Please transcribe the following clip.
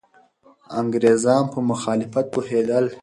انګریزان په مخالفت پوهېدل.